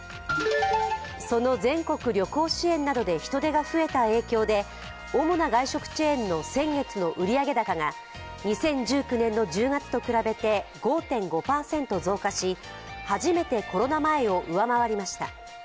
その全国旅行支援などで人手が増えた影響で主な外食チェーンの先月の売上高が２０１９年の１０月と比べて５．５％増加し初めてコロナ前を上回りました。